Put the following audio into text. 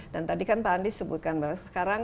dan tadi kan pak andies sebutkan bahwa sekarang